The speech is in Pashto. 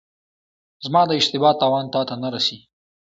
زما د اشتبا تاوان تاته نه رسي.